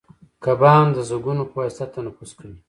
کبان د زګونو په واسطه تنفس کوي